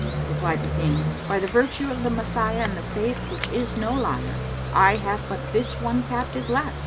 Replied the King, 'By the virtue of the Messiah and the Faith which is no liar, I have but this one captive left!"